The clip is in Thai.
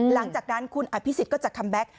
หลังจากนั้นคุณอภิษฎก็จะคัมแก๊ก